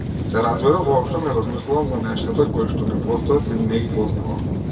Се разбира, воопшто не размислувам за нештата коишто не постојат или не ги познавам.